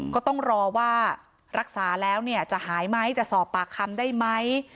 ก็ต้องรอว่ารักษาแล้วจะหายไหมจะสอบปากคำได้ไหม